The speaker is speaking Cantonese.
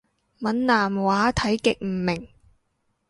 閩南話睇極唔明